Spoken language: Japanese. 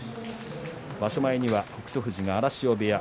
場所前は北勝富士は荒汐部屋